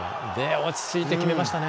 落ち着いて決めましたね。